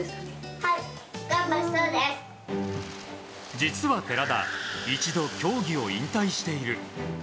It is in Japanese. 実は寺田一度、競技を引退している。